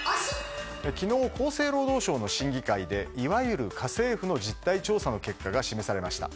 昨日、厚生労働省の審議会でいわゆる家政婦の実態調査の結果が示されました。